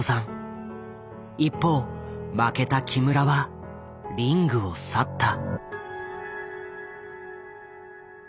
一方負けた木村はリングを去った。